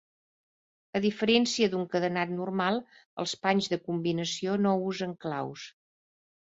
A diferència d'un cadenat normal, els panys de combinació no usen claus.